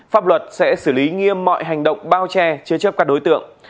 pháp luật sẽ xử lý nghiêm mọi hành động bao che chế chấp các đối tượng